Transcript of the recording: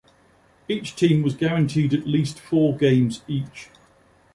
Each team was guaranteed at least four games each.